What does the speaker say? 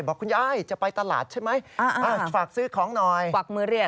บอกคุณยายจะไปตลาดใช่ไหมฝากซื้อของหน่อย